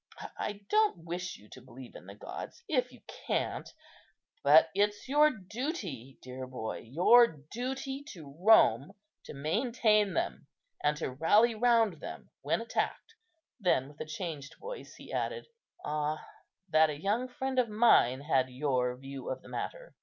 I don't wish you to believe in the gods if you can't; but it's your duty, dear boy, your duty to Rome to maintain them, and to rally round them when attacked." Then with a changed voice, he added, "Ah, that a young friend of mine had your view of the matter!"